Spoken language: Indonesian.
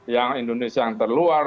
yang indonesia yang terluar